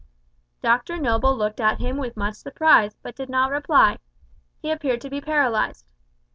Dr Noble looked at him with much surprise, but did not reply. He appeared to be paralysed.